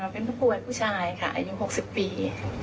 เป็นผู้ป่วยผู้ชายค่ะอายุ๖๐ปี